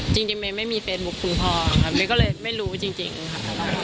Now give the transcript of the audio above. จริงจริงไม่มีเฟซบุ๊คคุณพ่อค่ะมันก็เลยไม่รู้จริงจริงค่ะ